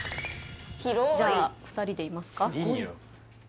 広いじゃあ２人でいますか？